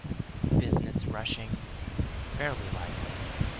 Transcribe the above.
"'Business rushing?' Fairly lively.